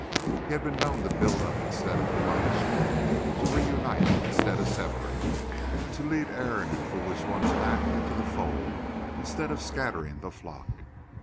He had been known to build up instead of demolishing, to reunite instead of severing, to lead erring and foolish ones back into the fold instead of scattering the flock.